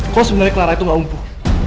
kok sebenernya clara tuh gak lumpuh